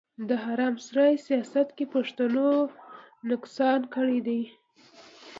د حرم سرای سياست کې پښتنو نقصان کړی دی.